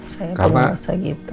saya pun merasa gitu